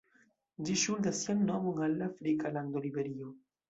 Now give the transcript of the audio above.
Ĝi ŝuldas sian nomon al la afrika lando Liberio.